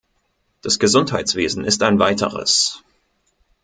Das Gesundheitswesen ist ein weiteres.